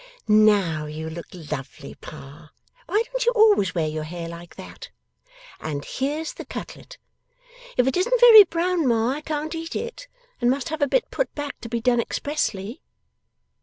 Now, you look lovely, pa; why don't you always wear your hair like that? And here's the cutlet! If it isn't very brown, ma, I can't eat it, and must have a bit put back to be done expressly.